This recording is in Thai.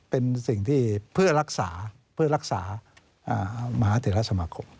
เป็นสิ่งที่เพื่อรักษามหาเทศรัฐสมัคร